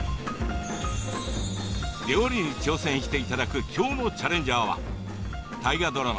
料理に挑戦していただく今日のチャレンジャーは大河ドラマ